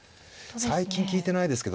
最近聞いてないですけどかなりね。